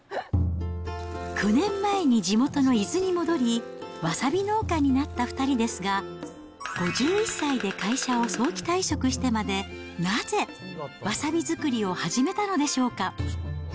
９年前に地元の伊豆に戻り、わさび農家になった２人ですが、５１歳で会社を早期退職してまで、なぜ、わさび作りを始めたのでしょうか。